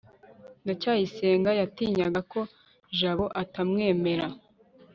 ndacyayisenga yatinyaga ko jabo atamwemera